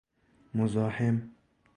مزاحم